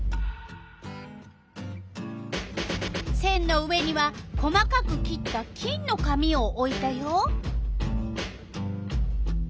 せんの上には細かく切った金の紙をおいたよ。